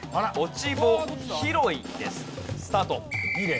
スタート。